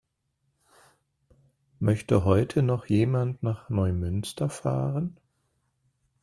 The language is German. Möchte heute noch jemand nach Neumünster fahren?